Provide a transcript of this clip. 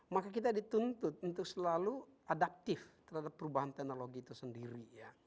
maka kita dituntut untuk selalu adaptif terhadap perubahan teknologi itu sendiri